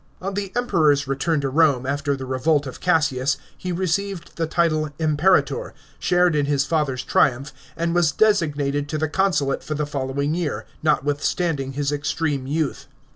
On the Emperor's return to Home after the revolt of Cassius, he received the title Imperator, shared in his father's triumph, and 'was designated to the consulate for the following year, notwith standing his extreme youth.